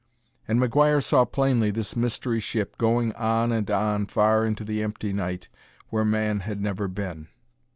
And McGuire saw plainly this mystery ship going on and on far into the empty night where man had never been.